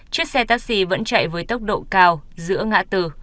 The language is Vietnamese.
chiếc xe taxi vẫn chạy với tốc độ cao giữa ngã tư